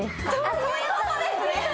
そういうことですね。